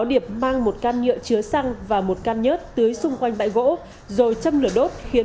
điệp mang một can nhựa chứa xăng và một can nhớt tưới xung quanh bãi gỗ rồi châm lửa đốt khiến